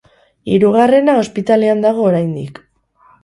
Hirugarrena ospitalean dago oraindik.